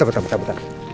bentar bentar bentar